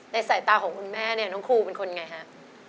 ในสายตาของคุณแม่นี่ทุกครูเป็นคนอย่างไรคะ